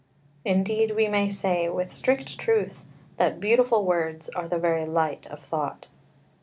Indeed, we may say with strict truth that beautiful words are the very light of thought.